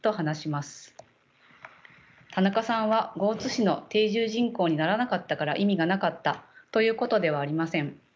田中さんは江津市の定住人口にならなかったから意味がなかったということではありません。